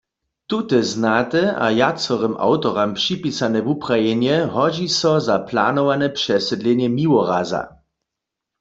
Tute znate a wjacorym awtoram připisane wuprajenje hodźi so za planowane přesydlenje Miłoraza.